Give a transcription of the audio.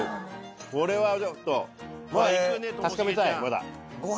これはちょっと確かめたいまだ。